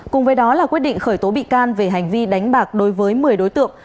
cùng với đó là quyết định khởi tố bị can về hành vi đánh bạc đối với một mươi đối tượng